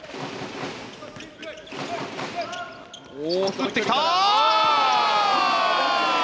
打ってきた！